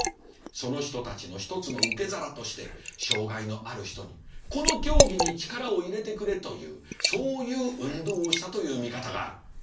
その人たちの一つの受け皿として障害のある人にこの競技に力を入れてくれというそういう運動をしたという見方がある。